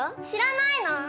知らないの？